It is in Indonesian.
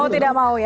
mau tidak mau ya